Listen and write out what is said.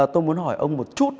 tôi muốn hỏi ông một chút